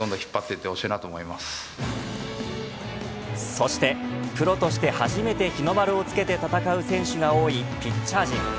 そしてプロとして初めて日の丸をつけて戦う選手が多いピッチャー陣。